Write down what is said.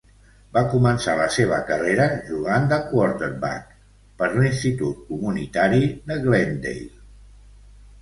Va començar la seva carrera jugant de quarterback per l'Institut Comunitari de Glendale.